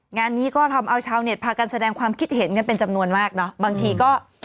งานนี้ก็ทำเอาชาวเน็ตพากันแสดงความคิดเห็นกันเป็นจำนวนมากเนอะบางทีก็